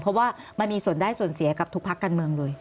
เพราะว่ามันมีส่วนได้ส่วนเสียกับทุกพักการเมืองเลย